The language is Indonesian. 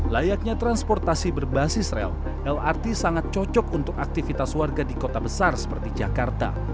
layaknya transportasi berbasis rel lrt sangat cocok untuk aktivitas warga di kota besar seperti jakarta